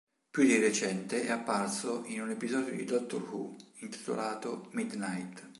Più di recente è apparso in un episodio di "Doctor Who", intitolato "Midnight".